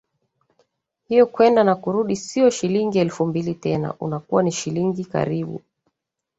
hiyo kwenda na kurudi sio shilingi elfu mbili tena unakuwa ni shilingi karibu